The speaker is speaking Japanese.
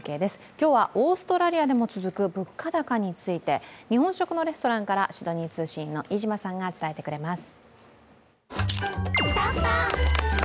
今日はオーストラリアでも続く物価高について、日本食のレストランからシドニー通信員の飯島さんが伝えてくれます。